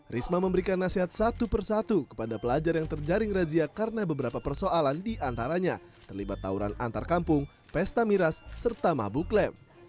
risma memberikan nasihat satu persatu kepada pelajar yang terjaring razi akibat karena beberapa persoalan di antaranya terlibat tauran antarkampung pesta miras serta mabuk lem